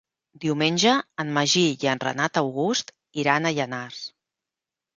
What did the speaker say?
Diumenge en Magí i en Renat August iran a Llanars.